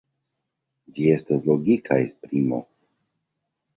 Ĝi estas logika esprimo.